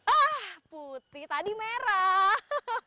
ah putih tadi merah